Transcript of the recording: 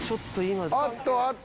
あっとあっと